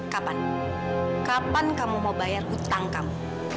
kapan kapan kamu mau bayar utang kamu